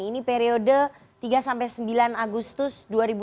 ini periode tiga sampai sembilan agustus dua ribu dua puluh